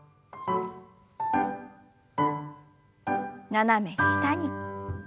斜め下に。